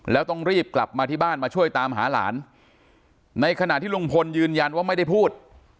แล้วต้องรีบกลับมาที่บ้านมาช่วยตามหาหลานในขณะที่ลุงพลยืนยันว่าไม่ได้พูด